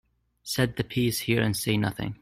Set the piece here and say nothing.